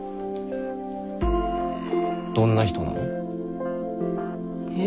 どんな人なの？え？